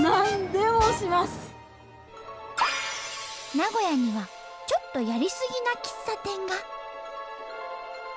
名古屋にはちょっとやりすぎな喫茶店が。